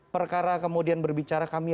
perkara kemudian berbicara kami